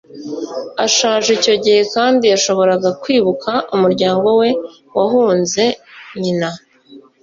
ashaje icyo gihe kandi yashoboraga kwibuka umuryango we wahunze. nyina